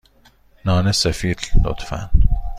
نان سفید، لطفا.